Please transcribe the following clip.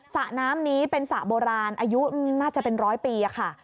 สระน้ำนี้เป็นสระโบราณอายุน่าจะเป็นร้อยปีค่ะ